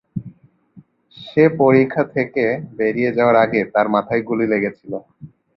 সে পরিখা থেকে বেরিয়ে যাওয়ার আগে তার মাথায় গুলি লেগেছিল।